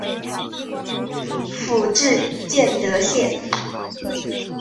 府治建德县。